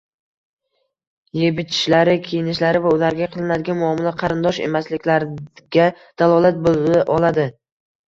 Yebichishlari, kiyinishlari va ularga qilinadigan muomala qarindosh emasliklariga dalolat bo'la oladi.